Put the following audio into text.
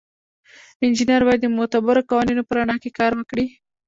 انجینر باید د معتبرو قوانینو په رڼا کې کار وکړي.